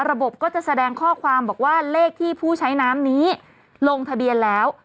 ก็จะแสดงข้อความบอกว่าเลขที่ผู้ใช้น้ำนี้ลงทะเบียนแล้ว